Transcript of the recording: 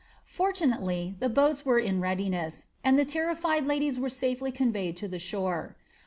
Fortunately, the boats were in readiness, ant terrified hidiea were safely conveyed to the shore.